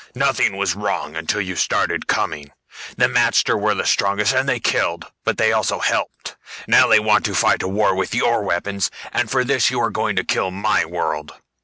Nothing was wrong until you started coming. The magter were the strongest, and they killed; but they also helped. Now they want to fight a war with your weapons, and for this you are going to kill my world.